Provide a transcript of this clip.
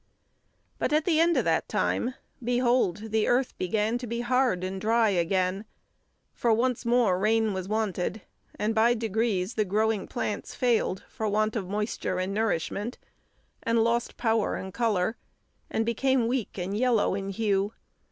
But at the end of that time, behold, the earth began to be hard and dry again, for once more rain was wanted; and by degrees the growing plants failed for want of moisture and nourishment, and lost power and colour, and became weak and yellow in hue.